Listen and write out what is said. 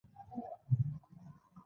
غوږونه د شفقت نښه ده